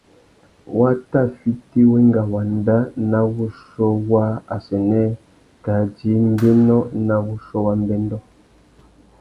Wa tà fiti wenga wanda nà wuchiô waā assênē kā djï mbénô nà wuchiô wa mbêndô.